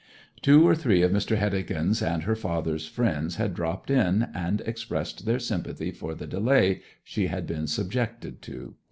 Two or three of Mr. Heddegan's and her father's friends had dropped in, and expressed their sympathy for the delay she had been subjected to.